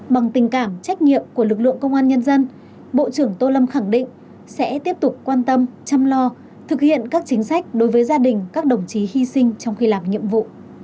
bằng tình cảm trách nhiệm của lực lượng công an nhân dân bộ trưởng tô lâm khẳng định sẽ tiếp tục quan tâm chăm lo thực hiện các chính sách đối với gia đình các đồng chí hy sinh trong khi làm nhiệm vụ